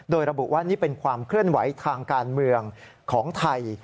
โดยระบุว่านี่เป็นความเคลื่อนไหวทางการเมืองของไทย